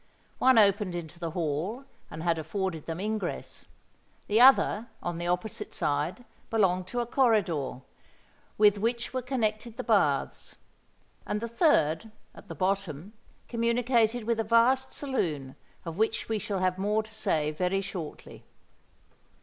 One opened into the hall, and had afforded them ingress: the other, on the opposite side, belonged to a corridor, with which were connected the baths; and the third, at the bottom, communicated with a vast saloon, of which we shall have more to say very shortly.